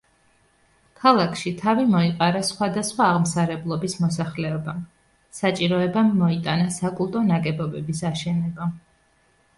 ქალაქში თავი მოიყარა სხვადასხვა აღმსარებლობის მოსახლეობამ, საჭიროებამ მოიტანა საკულტო ნაგებობების აშენება.